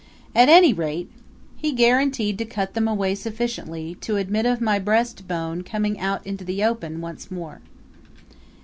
At any rate he guaranteed to cut them away sufficiently to admit of my breast bone coming out into the open once more.